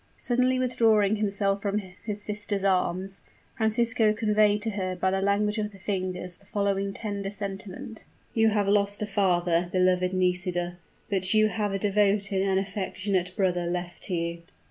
Suddenly withdrawing himself from his sister's arms, Francisco conveyed to her by the language of the fingers the following tender sentiment: "You have lost a father, beloved Nisida, but you have a devoted and affectionate brother left to you!"